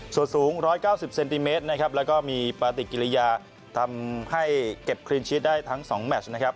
ส่วนสูง๑๙๐เซนติเมตรนะครับแล้วก็มีปฏิกิริยาทำให้เก็บครีนชีสได้ทั้ง๒แมชนะครับ